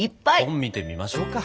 本見てみましょうか。